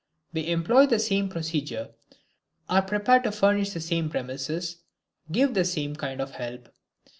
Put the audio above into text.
We employ the same procedure, are prepared to furnish the same promises, give the same kind of help.